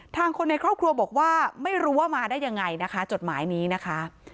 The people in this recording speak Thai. คนในครอบครัวบอกว่าไม่รู้ว่ามาได้ยังไงนะคะจดหมายนี้นะคะ